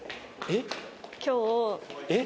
えっ？